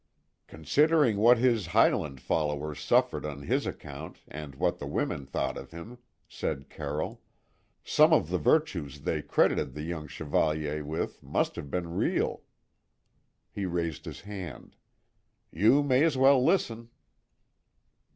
"Considering what his Highland followers suffered on his account and what the women thought of him," said Carroll, "some of the virtues they credited the Young Chevalier with must have been real," He raised his hand. "You may as well listen."